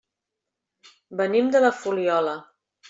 Venim de la Fuliola.